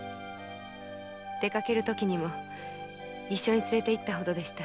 でかけるときにも一緒に連れて行ったほどでした。